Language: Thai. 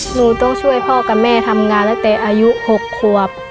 หนูต้องช่วยพ่อกับแม่ทำงานตั้งแต่อายุ๖ควบ